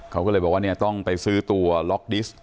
เขาก็เลยบอกว่าเนี่ยต้องไปซื้อตัวล็อกดิสต์